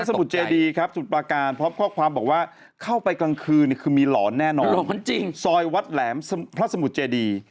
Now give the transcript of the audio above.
มุทรเจดีครับสุดประการพร้อมข้อความบอกว่าเข้าไปกลางคืนคือมีหลอนแน่นอนหลอนจริงซอยวัดแหลมพระสมุทรเจดี